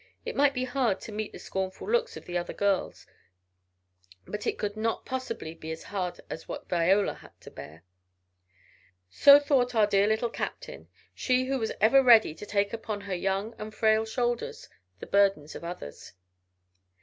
It might be hard to meet the scornful looks of the other girls, but it could not possibly be as hard as what Viola had to bear. So thought our dear Little Captain, she who was ever ready to take upon her young and frail shoulders the burdens of others.